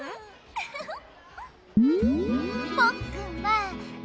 ウフフッ。